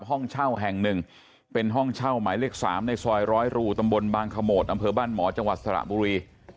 ห้องเช่าแห่งหนึ่งเป็นห้องเช่าหมายเลข๓ในซอยร้อยรูตำบลบางขโมดอำเภอบ้านหมอจังหวัดสระบุรี